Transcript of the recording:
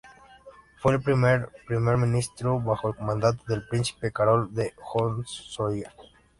Fue el primer Primer Ministro bajo el mandato del príncipe Carol de Hohenzollern.